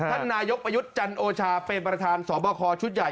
ท่านนายกประยุทธ์จันโอชาเป็นประธานสอบคอชุดใหญ่